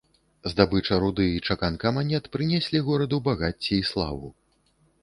Здабыча руды і чаканка манет прынеслі гораду багацце і славу.